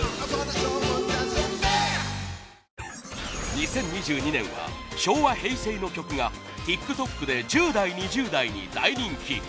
２０２２年は昭和・平成の曲がＴｉｋＴｏｋで１０代２０代に大人気。